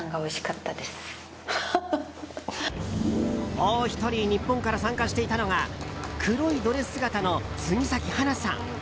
もう１人日本から参加していたのが黒いドレス姿の杉咲花さん。